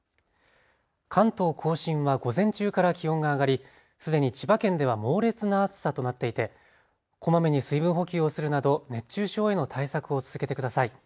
関東甲信は午前中から気温が上がり、すでに千葉県では猛烈な暑さとなっていてこまめに水分補給をするなど熱中症への対策を続けてください。